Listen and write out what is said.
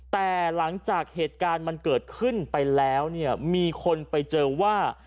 แต่หลังจากเหตุการณ์มันเกิดขึ้นไปแล้วเนี่ยมีคนไปเจอว่า